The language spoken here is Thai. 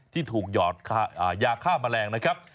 ที่ถูกหยอดยาฆ่าแมลงนะครับ